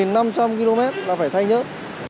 hai hoặc một năm trăm linh km là phải thay nhớt